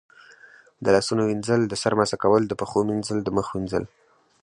د لاسونو وینځل، د سر مسح کول، د پښو مینځل، د مخ وینځل